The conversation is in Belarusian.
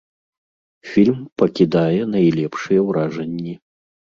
Фільм пакідае найлепшыя ўражанні.